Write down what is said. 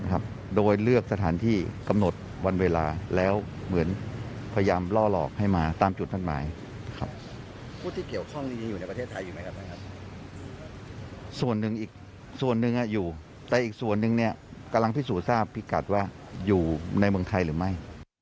แต่ส่วนนึงเกี๋งจับและพิกัดว่าอยู่ในเมืองไทยหรือไม่